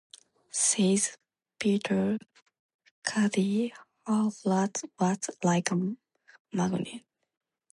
Says Peter Caddy: Her flat was like a magnet.